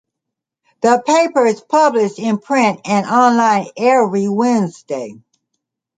The paper is published in print and online every Wednesday.